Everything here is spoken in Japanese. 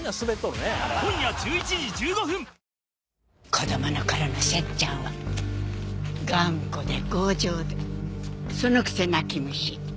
子供の頃のセッちゃんは頑固で強情でそのくせ泣き虫。